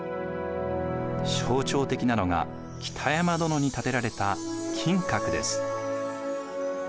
象徴的なのが北山殿に建てられた金閣です。